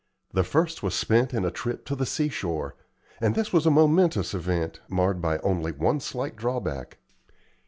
The first was spent in a trip to the seashore; and this was a momentous event, marred by only one slight drawback.